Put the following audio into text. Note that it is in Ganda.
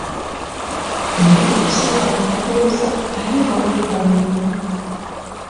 Naye buli kiseera bwe mubuuza, ayimba oluyimba lwe lumu.